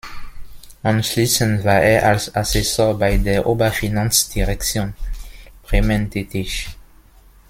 Anschließend war er als Assessor bei der Oberfinanzdirektion Bremen tätig.